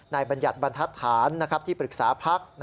นายบรรยัติบรรทัศนที่ปรึกษาพักฯ